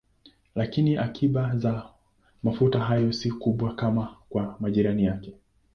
Lakini akiba za mafuta hayo si kubwa kama kwa majirani yake.